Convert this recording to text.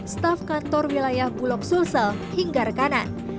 staf kantor wilayah bulog sulsel hingga rekanan